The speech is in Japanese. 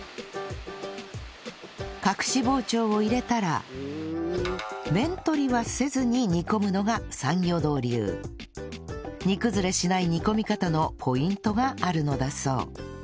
隠し包丁を入れたら面取りはせずに煮込むのが三漁洞流煮崩れしない煮込み方のポイントがあるのだそう